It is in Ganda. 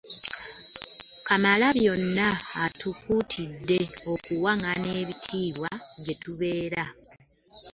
Kamalabyonna atukuutidde okuwangana ekitiibwa gye tubeera.